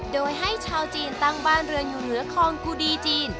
โดยให้ชาวจีนตั้งบ้านเรือนอยู่เหนือคลองกูดีจีน